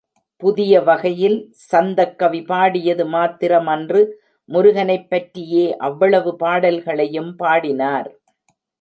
புதிய வகையில் சந்தக் கவி பாடியது மாத்திரமன்று முருகனைப் பற்றியே அவ்வளவு பாடல்களையும் பாடினார்.